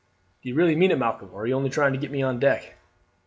"Do you really mean it, Malcolm, or are you only trying to get me on deck?"